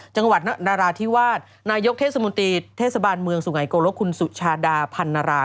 จังหวัดนราธิวาสนายกเทศมนตรีเทศบาลเมืองสุไงโกลกคุณสุชาดาพันนารา